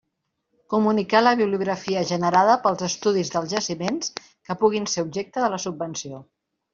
Comunicar la bibliografia generada pels estudis dels jaciments que puguin ser objecte de la subvenció.